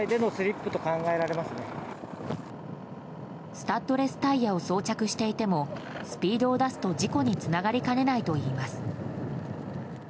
スタッドレスタイヤを装着していてもスピードを出すと事故につながりかねないといいます。